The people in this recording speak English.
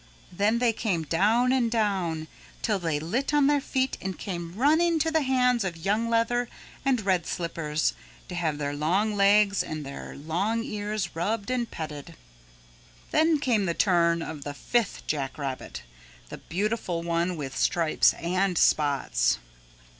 Then they came down and down till they lit on their feet and came running to the hands of Young Leather and Red Slippers to have their long legs and their long ears rubbed and petted. Then came the turn of the fifth jack rabbit, the beautiful one with stripes and spots.